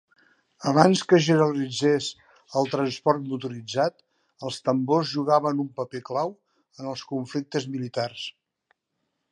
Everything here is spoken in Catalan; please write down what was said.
Abans que es generalitzés el transport motoritzat, els tambors jugaven un paper clau en els conflictes militars.